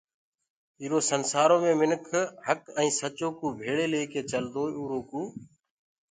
ايٚرو سنسآرو مي مِنک هَڪ ائيٚنٚ سچو ڪوٚ ڀيݪي ليڪي چلدوئي اُرو ڪوٚ